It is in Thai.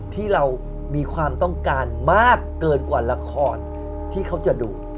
ที่เรามีความต้องการมากเกินกว่าละครที่เขาจะดู